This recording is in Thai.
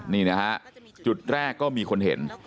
นี่นะฮะจุดแรกก็มีคนเห็น